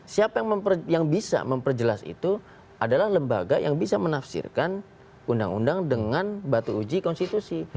siapa yang bisa memperjelas itu adalah lembaga yang bisa menafsirkan undang undang dengan batu uji konstitusi